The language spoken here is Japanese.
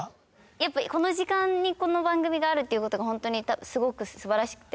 やっぱこの時間にこの番組があるっていうことがほんとにすごく素晴らしくて。